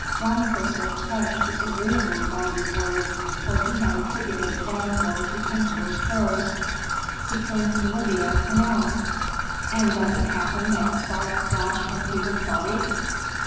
Rameses was touched disagreeably by these words, for he had attributed the downpour to Pentuer's prayers. He turned to the Libyan, and asked, "And does it happen that sparks flash from people's bodies?"